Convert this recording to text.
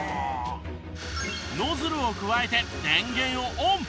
ノズルをくわえて電源をオン。